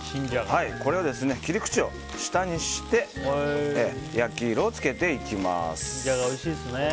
これは切り口を下にして焼き色を付けていきます。